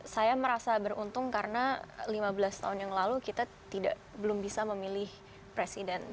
saya merasa beruntung karena lima belas tahun yang lalu kita belum bisa memilih presiden